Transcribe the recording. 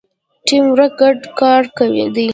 ټیم ورک ګډ کار دی